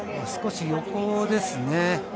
少し横ですね。